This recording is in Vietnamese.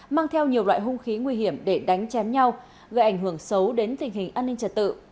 mang theo nhiều loại hung khí nguy hiểm để đánh chém nhau gây ảnh hưởng xấu đến tình hình an ninh trật tự